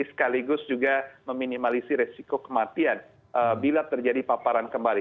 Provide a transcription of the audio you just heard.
sekaligus juga meminimalisi resiko kematian bila terjadi paparan kembali